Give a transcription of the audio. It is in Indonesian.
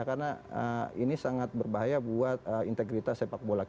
karena ini sangat berbahaya buat integritas sepak bola kita